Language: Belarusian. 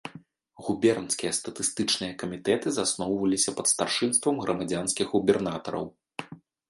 Губернскія статыстычныя камітэты засноўваліся пад старшынствам грамадзянскіх губернатараў.